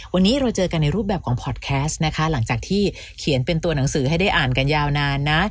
วันนี้เราเจอกันในรูปแบบของพอร์ตแคสต์นะคะหลังจากที่เขียนเป็นตัวหนังสือให้ได้อ่านกันยาวนานนะ